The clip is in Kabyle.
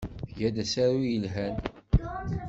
Tga-d asaru yelhan.